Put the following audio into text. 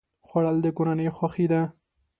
خوړل د کورنۍ خوښي ده